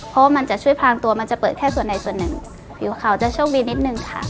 เพราะว่ามันจะช่วยพลางตัวมันจะเปิดแค่ส่วนใดส่วนหนึ่งผิวเขาจะโชคดีนิดนึงค่ะ